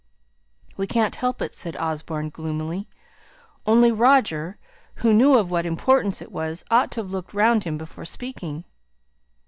"We can't help it," said Osborne, gloomily. "Only Roger, who knew of what importance it was, ought to have looked round him before speaking."